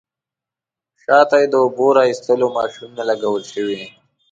شاته یې د اوبو را ایستلو ماشینونه لګول شوي.